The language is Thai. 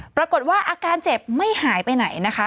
ปรากฏว่าอาการเจ็บไม่หายไปไหนนะคะ